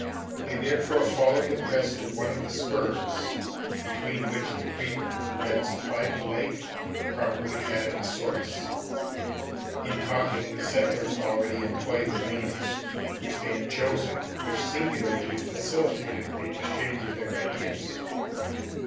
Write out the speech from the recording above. They therefore followed the crest of one of the spurs, between which the creek that supplied the lake probably had its source. In talking, the settlers already employed the names which they had just chosen, which singularly facilitated the exchange of their ideas.